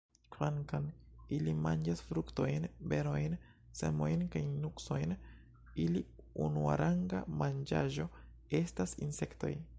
Kvankam ili manĝas fruktojn, berojn, semojn kaj nuksojn, ili unuaranga manĝaĵo estas insektoj.